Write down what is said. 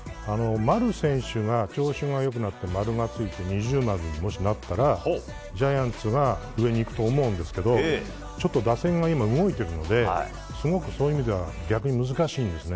丸選手が調子が良くなって丸がついて、二重丸にもしなったらジャイアンツが上に行くと思うんですけどちょっと打線が今動いてるのですごく、そういう意味では難しいんですよね。